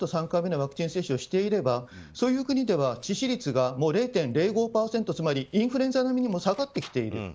３回目のワクチン接種をしていればそういう国では致死率が０．０５％つまりインフルエンザ並みに下がってきている。